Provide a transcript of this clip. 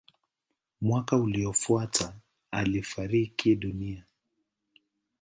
Mwaka uliofuata alifariki dunia.